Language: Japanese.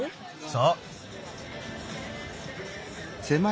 そう。